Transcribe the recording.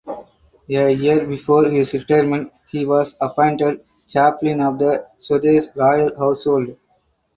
A year before his retirement he was appointed Chaplain of the Swedish Royal Household.